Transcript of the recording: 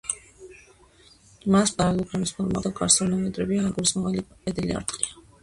მას პარალელოგრამის ფორმა აქვს და გარს ორნამენტებიანი, აგურის მაღალი კედელი არტყია.